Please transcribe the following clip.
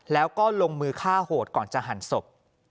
แล้วก็ลงมือฆ่าโหดก่อนจะหั่นศพ